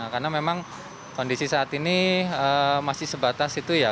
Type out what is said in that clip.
karena memang kondisi saat ini masih sebatas itu ya